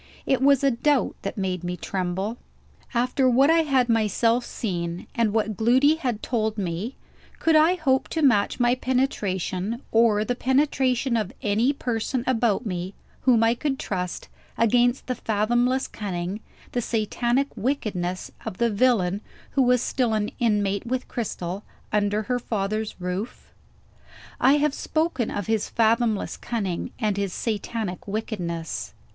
It was a doubt that made me tremble. After what I had myself seen, and what Gloody had told me, could I hope to match my penetration, or the penetration of any person about me whom I could trust, against the fathomless cunning, the Satanic wickedness, of the villain who was still an inmate with Cristel, under her father's roof? I have spoken of his fathomless cunning, and his Satanic wickedness.